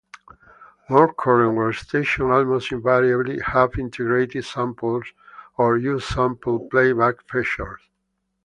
More current workstations almost invariably have integrated samplers or user sample playback features.